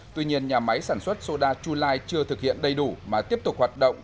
tuy nhiên nhà máy sản xuất soda chu lai chưa thực hiện đầy đủ mà tiếp tục hoạt động